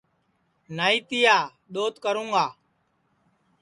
نائی تیا دؔوت کراوں گا